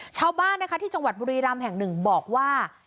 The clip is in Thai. ชาวบ้านนะคะที่จังหวัดบุรีรำแห่งหนึ่งบอกว่า